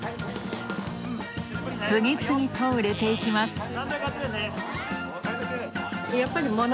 次々と売れていきます。